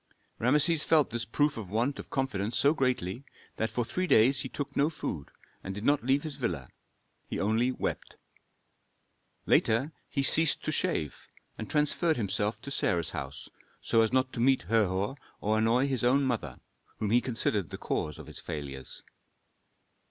Rameses felt this proof of want of confidence so greatly that for three days he took no food and did not leave his villa; he only wept. Later he ceased to shave, and transferred himself to Sarah's house, so as not to meet Herhor or annoy his own mother, whom he considered the cause of his failures.